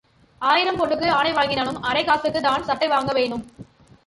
ஆயிரம் பொன்னுக்கு ஆனை வாங்கினாலும் அரைக் காசுக்குத் தான் சாட்டை வாங்க வேணும்.